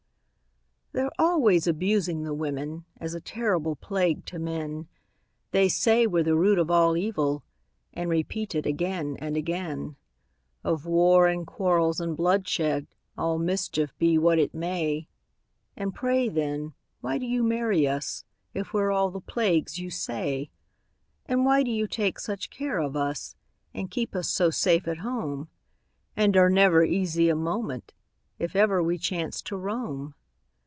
They're always abusing the women, As a terrible plague to men; They say we're the root of all evil, And repeat it again and again Of war, and quarrels, and bloodshed, All mischief, be what it may. And pray, then, why do you marry us, If we're all the plagues you say? And why do you take such care of us, And keep us so safe at home, And are never easy a moment If ever we chance to roam?